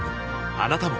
あなたも